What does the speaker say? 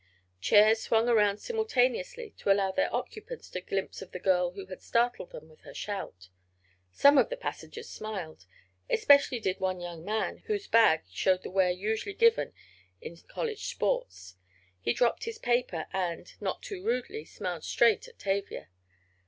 Chairs swung around simultaneously to allow their occupants a glimpse of the girl who had startled them with her shout. Some of the passengers smiled—especially did one young man, whose bag showed the wear usually given in college sports. He dropped his paper, and, not too rudely, smiled straight at Tavia.